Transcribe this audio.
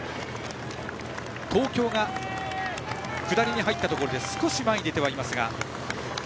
東京が下りに入ったところで少し前に出てはいますが。